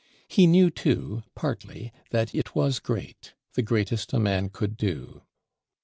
He knew too, partly, that it was great; the greatest a man could do.